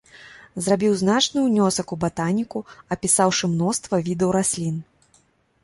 Зрабіў значны ўнёсак у батаніку, апісаўшы мноства відаў раслін.